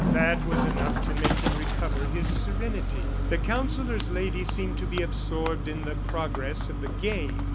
That was enough to make him recover his serenity. The Counsellor's Lady seemed to be absorbed in the progress of the game.